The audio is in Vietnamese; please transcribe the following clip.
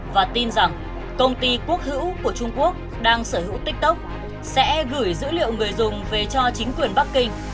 và tin rằng công ty quốc hữu của trung quốc đang sở hữu tiktok sẽ gửi dữ liệu người dùng về cho chính quyền bắc kinh